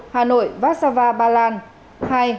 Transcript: một hà nội vasava balance